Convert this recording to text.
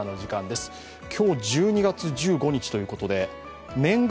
今日１２月１５日ということで年賀